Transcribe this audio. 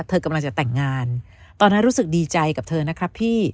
เธอกำลังจะแต่งงานตอนนั้นรู้สึกดีใจกับเธอนะครับพี่